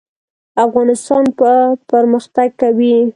افغانستان به پرمختګ کوي؟